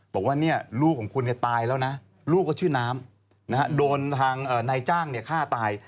บอกว่าลูกของคุณตายแล้วนะลูกก็ชื่อน้ำโดนทางนายจ้างฆ่าตาย